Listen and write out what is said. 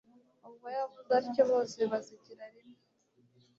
ubwo yavuze atyo bose basekera rimwe